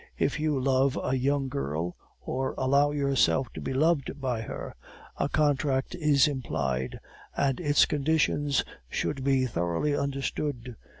If you love a young girl, or allow yourself to be beloved by her, a contract is implied, and its conditions should be thoroughly understood.